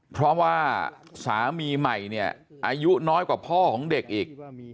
เพราะว่าสามีใหม่เนี่ยอายุน้อยกว่าพ่อของเด็กอีก